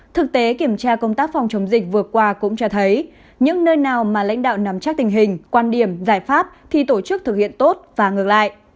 thực tế kiểm tra công tác phòng chống dịch vừa qua cũng cho thấy những nơi nào mà lãnh đạo nắm chắc tình hình quan điểm giải pháp thì tổ chức thực hiện tốt và ngược lại